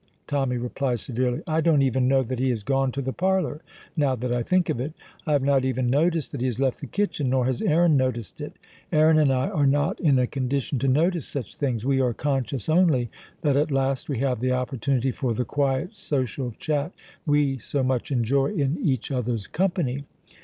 Tommy replies severely. "I don't even know that he has gone to the parlour; now that I think of it, I have not even noticed that he has left the kitchen; nor has Aaron noticed it. Aaron and I are not in a condition to notice such things; we are conscious only that at last we have the opportunity for the quiet social chat we so much enjoy in each other's company.